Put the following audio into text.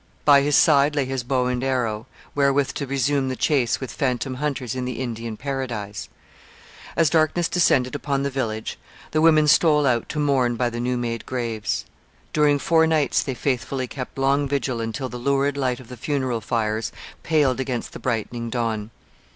By his side lay his bow and arrow, wherewith to resume the chase with phantom hunters in the Indian paradise. As darkness descended upon the village the women stole out to mourn by the new made graves. During four nights they faithfully kept long vigil until the lurid light of the funeral fires paled against the brightening dawn.